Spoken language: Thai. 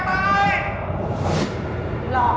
จัดเต็มให้เลย